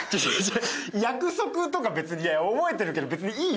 約束とか別に覚えてるけど別にいいよ